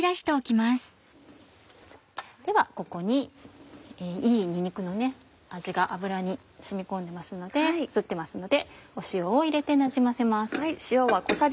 ではここにいいにんにくの味が油に染み込んでますので移ってますので塩を入れてなじませます。